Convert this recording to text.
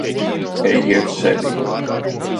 Ejiet sevī.